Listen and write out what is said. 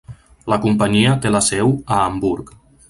La companyia té la seu a Hamburg.